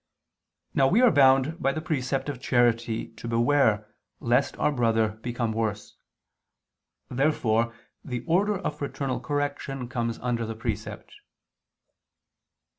Now we are bound by the precept of charity to beware lest our brother become worse. Therefore the order of fraternal correction comes under the precept.